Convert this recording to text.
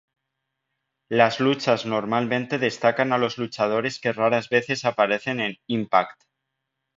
Las luchas normalmente destacan a los luchadores que raras veces aparecen en ""Impact!""!.